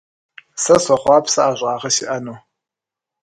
Сэ сохъуапсэ ӀэщӀагъэ сиӀэну.